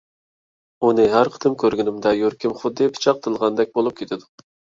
ئۇنى ھەر قېتىم كۆرگىنىمدە يۈرىكىم خۇددى پىچاق تىلغاندەك بولۇپ كېتىدۇ.